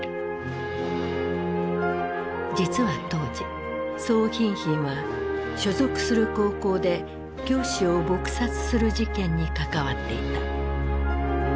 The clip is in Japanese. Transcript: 実は当時宋彬彬は所属する高校で教師を撲殺する事件に関わっていた。